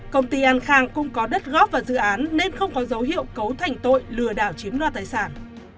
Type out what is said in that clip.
công ty an khang cũng có đất góp vào dự án nên không có dấu hiệu cấu thành tội lừa đảo chiếm đoạt tài sản